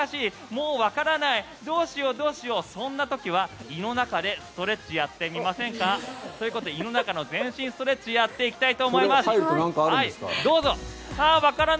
もうわからないどうしようどうしようそんな時は胃の中でストレッチをやってみませんか。ということで胃の中の全身ストレッチをやっていきます。